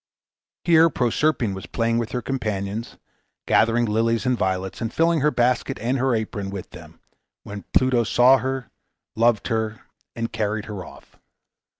Here Proserpine was playing with her companions, gathering lilies and violets, and filling her basket and her apron with them, when Pluto saw her, loved her, and carried her off.